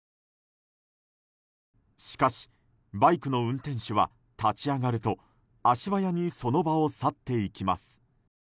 しかし、バイクの運転手は立ち上がると足早にその場を去っていきます。